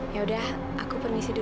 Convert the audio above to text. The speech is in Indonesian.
ya udah aku permisi dulu